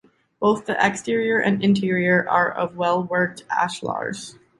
Both the exterior and interior are of well-worked ashlars.